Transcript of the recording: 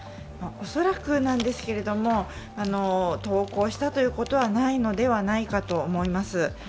恐らくなんですけれども投降したということはないのではないかと思います。